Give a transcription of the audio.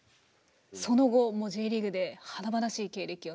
その後もうＪリーグで華々しい経歴を残していく。